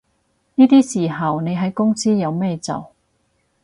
呢啲時候你喺公司有咩做